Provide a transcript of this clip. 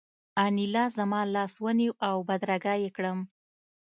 انیلا زما لاس ونیو او بدرګه یې کړم